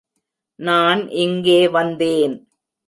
நான் இங்கே வந்தேன்.